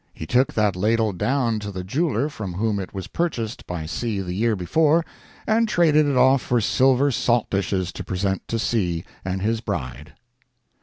He took that ladle down to the jeweller from whom is was purchased by C. the year before, and traded it off for silver salt dishes to present to C. and his bride.